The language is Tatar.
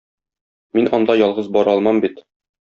Мин анда ялгыз бара алмам бит.